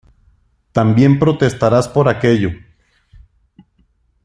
también protestaras por aquello